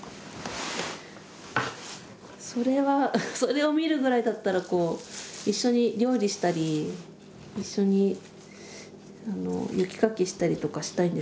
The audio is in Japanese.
それはそれを見るぐらいだったら一緒に料理したり一緒に雪かきしたりとかしたいんですけど。